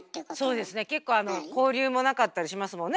そうですね結構交流もなかったりしますもんね